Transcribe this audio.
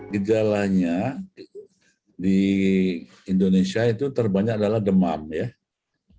gejalanya di indonesia itu terbanyak adalah demam ya